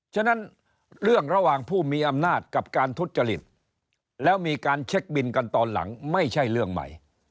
ฉะนั้นเรื่องระหว่างผู้มีอำนาจกับการทุจริตแล้วมีการเช็คบินกันตอนหลังไม่ใช่เรื่องใหม่